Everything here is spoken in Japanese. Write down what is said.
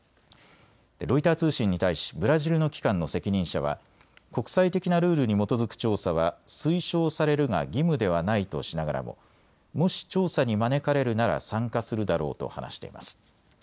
ロイター通信に対しブラジルの機関の責任者は国際的なルールに基づく調査は推奨されるが義務ではないとしながらももし調査に招かれるなら参加するだろうと話しています。